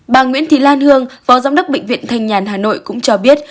bà nguyễn thị lan hương phó giám đốc bệnh viện thanh nhàn hà nội cũng cho biết